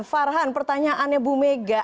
farhan pertanyaannya bu mega